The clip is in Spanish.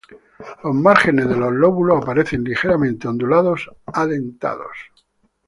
Los márgenes de los lóbulos aparecen ligeramente ondulados a dentados.